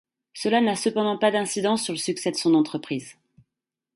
Cela n'a cependant pas d'incidence sur le succès de son entreprise.